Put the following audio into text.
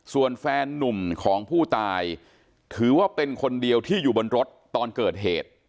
ส่วนแฟนนุ่มของผู้ตายถือว่าเป็นคนเดียวที่อยู่บนรถตอนเกิดเหตุ